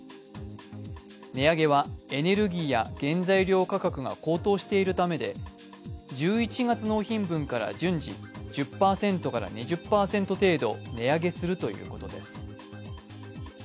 値上げはエネルギーや原材料価格が高騰しているためで１１月納品分から順次１０％から２０％値上げするということです。